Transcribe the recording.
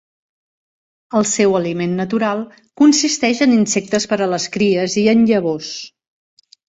El seu aliment natural consisteix en insectes per a les cries i en llavors.